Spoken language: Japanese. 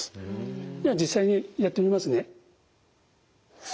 では実際にやってみますね。